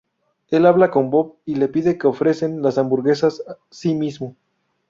Él habla con Bob, y le pide que ofrecen las hamburguesas sí mismo.